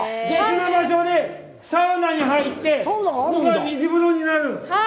別の場所でサウナに入ってここが水風呂になる。